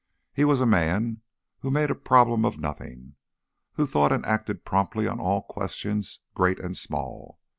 He was a man who made a problem of nothing, who thought and acted promptly on all questions great and small.